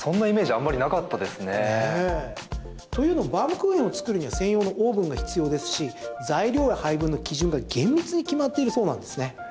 あまりなかったですね。というのもバウムクーヘンを作るには専用のオーブンが必要ですし材料や配分の基準が厳密に決まっているそうなんですね。